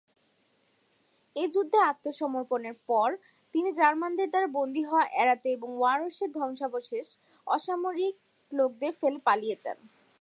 এ যুদ্ধে আত্মসমর্পণের পর পরে তিনি জার্মানদের দ্বারা বন্দী হওয়া এড়াতে এবং ওয়ারশ এর ধ্বংসাবশেষ অসামরিক লোকদের ফেলে পালিয়ে যান।